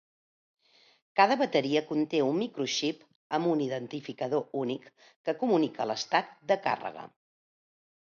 Cada bateria conté un microxip amb un identificador únic que comunica l'estat de càrrega.